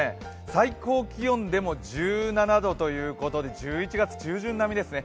最高気温でも１７度ということで１１月中旬並みですね。